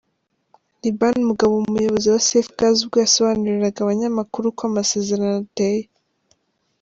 Liban Mugabo umuyobozi wa Safe Gas ubwo yasobanuriraga abanyamakuru uko amasezerano ateye.